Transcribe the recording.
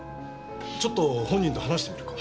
ちょっと本人と話してみるか。